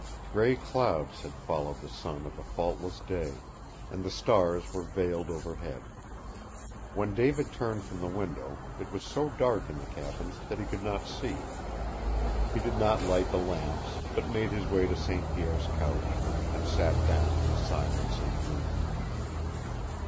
Gray clouds had followed the sun of a faultless day, and the stars were veiled overhead. When David turned from the window, it was so dark in the cabin that he could not see. He did not light the lamps, but made his way to St. Pierre's couch and sat down in the silence and gloom.